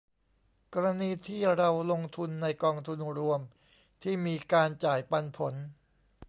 กรณีที่เราลงทุนในกองทุนรวมที่มีการจ่ายปันผล